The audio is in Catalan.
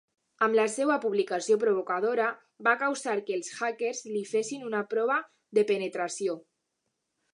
Amb la seva publicació provocadora, va causar que els hackers li fessin una prova de penetració.